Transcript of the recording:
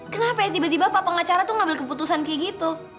kenapa tiba tiba pak pengacara ngambil keputusan kayak gitu